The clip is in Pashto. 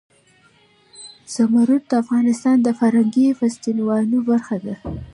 زمرد د افغانستان د فرهنګي فستیوالونو برخه ده.